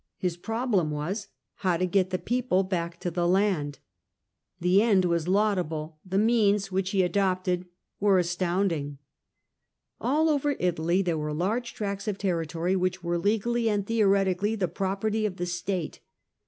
His problem was, how to get the people back to the land. The end was laudable, the means which he adopted were astounding. r^All over Italy there were large tracts of territory which were legally and theoretically the property of the state.